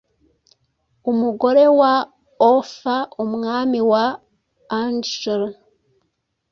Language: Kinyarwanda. Umugore wa Offaumwami wa Angles